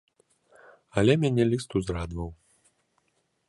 Але мяне ліст узрадаваў.